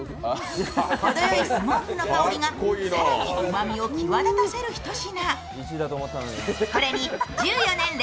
程よいスモークの香りが更にうまみを際立たせる一品。